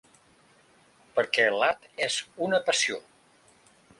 Perquè l'Art és una passió.